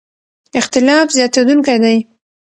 اختلاف زیاتېدونکی دی.